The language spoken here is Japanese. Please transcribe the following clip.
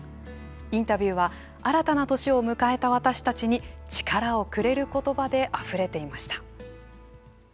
インタビューは新たな年を迎えた私たちに力をくれる言葉であふれていました。